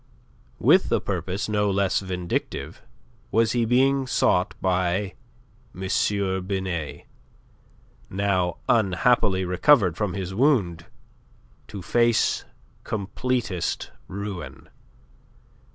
With a purpose no less vindictive was he being sought by M. Binet, now unhappily recovered from his wound to face completest ruin.